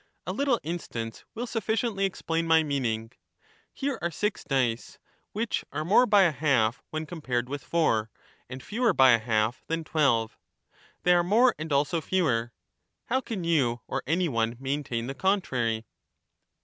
A little instance will sufficiently explain my meaning : Here are six dice, which are more by a half when compared with four, and fewer by a half than twelve— they are more and also fewer. How can you or any one maintain the contrary